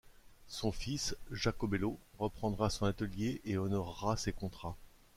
Son fils, Jacobello, reprendra son atelier et honorera ses contrats.